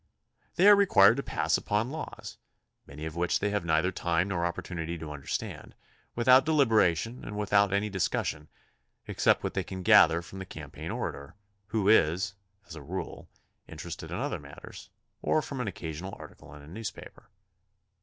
They are required to pass upon laws, many of which they have neither time nor opportimity to understand, with out deliberation and without any discussion except what they can gather from the campaign orator, who is, as a rule, interested in other matters, or from an occasional article in a newspaper.